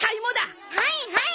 はいはい。